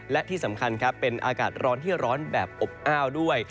และที่สำคัญครับเป็นอากาศร้อนที่ร้อนแบบอบอ้าวด้วย